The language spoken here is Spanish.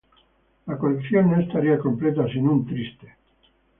La colección no estaría completa sin un Triste.